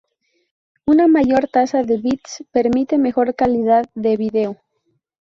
Una mayor tasa de bits permite mejor calidad de video.